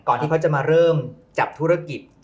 ที่เขาจะมาเริ่มจับธุรกิจ